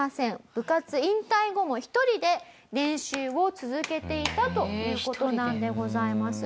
部活引退後も１人で練習を続けていたという事なんでございます。